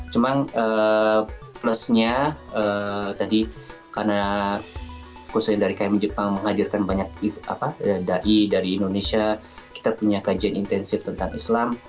cuma plusnya tadi karena khususnya dari km jepang menghadirkan banyak dari indonesia kita punya kajian intensif tentang islam